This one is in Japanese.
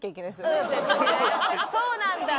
「そうなんだ」って。